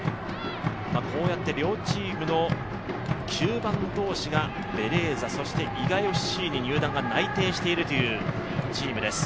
こうやって両チームの中盤同士がベレーザ、そして伊賀ＦＣに入団が内定しているというチームです。